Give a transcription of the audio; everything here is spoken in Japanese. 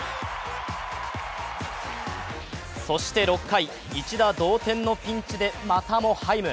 そして６回、１打同点のピンチでまたもハイム。